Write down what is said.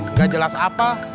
nggak jelas apa